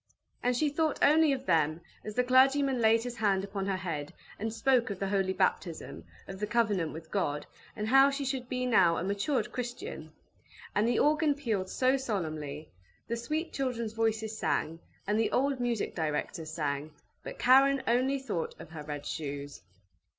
And she thought only of them as the clergyman laid his hand upon her head, and spoke of the holy baptism, of the covenant with God, and how she should be now a matured Christian; and the organ pealed so solemnly; the sweet children's voices sang, and the old music directors sang, but Karen only thought of her red shoes.